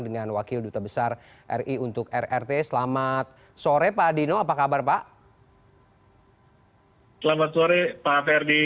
dengan wakil duta besar ri untuk rrt selamat sore pak dino apa kabar pak selamat sore pak ferdi